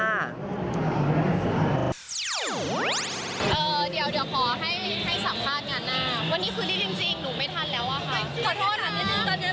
เดี๋ยวขอให้สัมภาษณ์งานหน้า